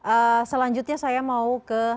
ee selanjutnya saya mau ke